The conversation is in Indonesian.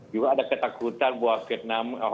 juga ada ketakutan bahwa vietnam